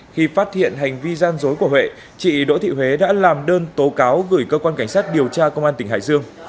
khi phát hiện hành vi gian dối của huệ chị đỗ thị huế đã làm đơn tố cáo gửi cơ quan cảnh sát điều tra công an tỉnh hải dương